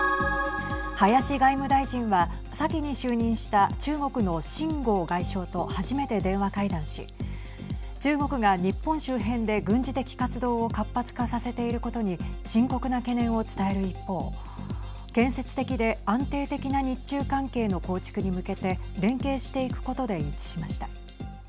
林外務大臣は先に就任した中国の秦剛外相と初めて電話会談し中国が日本周辺で軍事的活動を活発化させていることに深刻な懸念を伝える一方建設的で安定的な日中関係の構築に向けて連携していくことで一致しました。